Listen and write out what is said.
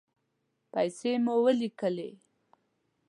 پیسې مو ولیکئ